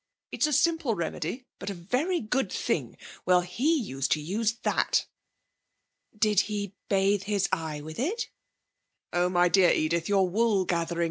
'It's a simple remedy, but a very good thing. Well, he used to use that.' 'Did he bathe his eye with it?' 'Oh, my dear Edith, you're wool gathering.